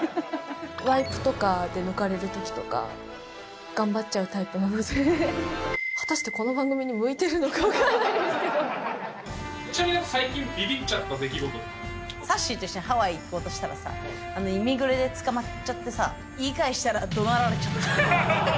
ワイプとかで抜かれるときとか、頑張っちゃうタイプなんですけど、果たしてこの番組に向いてるのかちなみに最近、びびっちゃっさっしーと一緒にハワイ行こうとしてたらさ、イミグレで捕まっちゃってさ、言い返したら、どなられちゃった。